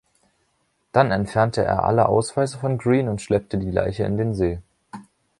Dann entfernte er alle Ausweise von Greene und schleppte die Leiche in den See.